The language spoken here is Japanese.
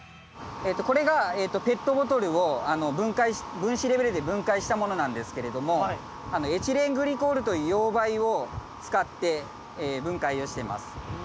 これがペットボトルを分解分子レベルで分解したものなんですけれどもエチレングリコールという溶媒を使って分解をしてます。